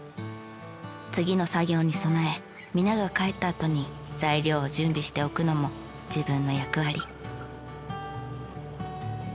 次の作業に備え皆が帰ったあとに材料を準備しておくのも自分の役割。